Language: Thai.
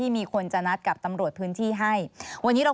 มันจอดอย่างง่ายอย่างง่ายอย่างง่าย